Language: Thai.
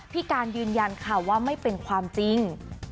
การยืนยันค่ะว่าไม่เป็นความจริง